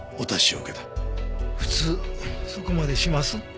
普通そこまでします？